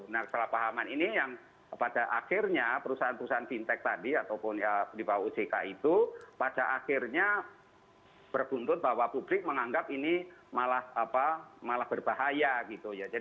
nah kesalahpahaman ini yang pada akhirnya perusahaan perusahaan fintech tadi ataupun ya di bawah ojk itu pada akhirnya berbuntut bahwa publik menganggap ini malah berbahaya gitu ya